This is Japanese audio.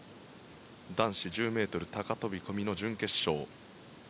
男子１０ｍ高飛込の準決勝。